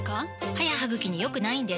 歯や歯ぐきに良くないんです